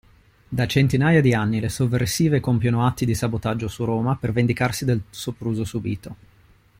Da centinaia di anni le sovversive compiono atti di sabotaggio su Roma per vendicarsi del sopruso subito.